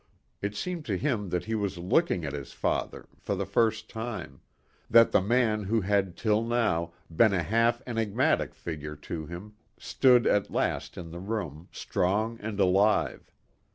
It seemed to him that he was looking at his father for the first time, that the man who had till now been a half enigmatic figure to him, stood at last in the room, strong and alive.